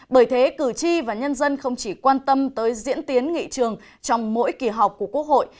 bởi thế cử tri và nhân dân không chỉ quan tâm tới diễn tiến nghị trường trong mỗi kỳ họp của quốc hội